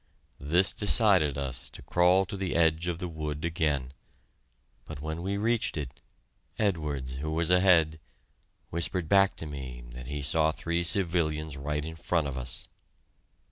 This decided us to crawl to the edge of the wood again. But when we reached it, Edwards, who was ahead, whispered back to me that he saw three civilians right in front of us.